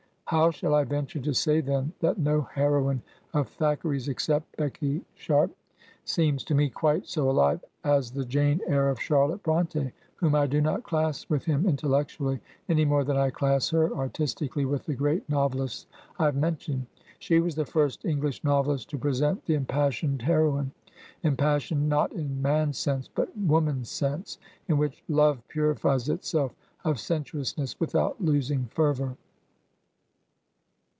How shall I venture to say, then, that no heroine of Thackeray's except Becky Shaip 221 Digitized by VjOOQ IC HEROINES OF FICTION seems to me quite so alive as the Jane Eyre of Charlotte Bronte, whom I do not class with him intellectually, any more than I class her artistically with the great novelists I have mentioned? She was the first English novelist to present the impassioned heroine; impas sioned not in man's sense, but woman's sense, in which love purifies itself of sensuousness without losing fervor.